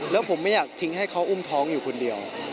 แล้วผมไม่อยากทิ้งให้เขาอุ้มท้องอยู่คนเดียว